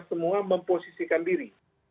semua memposisikan diri